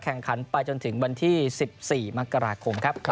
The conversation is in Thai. แข่งขันไปจนถึงวันที่๑๔มกราคมครับ